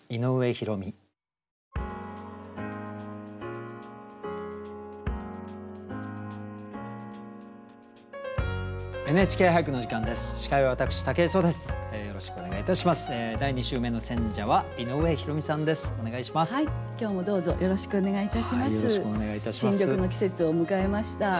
新緑の季節を迎えました。